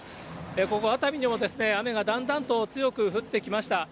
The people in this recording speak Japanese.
ここ、熱海でも雨がだんだんと強く降ってきました。